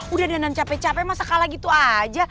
udah dengan capek capek masa kalah gitu aja